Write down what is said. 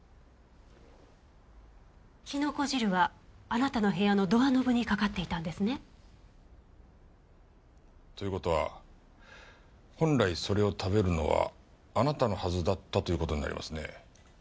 キノコ汁はあなたの部屋のドアノブにかかっていたんですね？ということは本来それを食べるのはあなたのはずだったということになりますね。